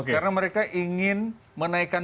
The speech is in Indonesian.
karena mereka ingin menaikkan